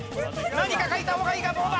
何か書いた方がいいがどうだ？